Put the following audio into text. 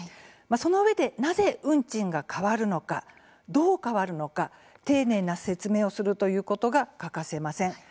そのうえでなぜ運賃が変わるのかどう変わるのか丁寧な説明をするということが欠かせません。